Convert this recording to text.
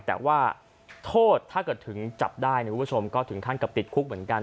แต่ว่าโทษถ้าเกิดถึงจับได้คุณผู้ชมก็ถึงขั้นกับติดคุกเหมือนกัน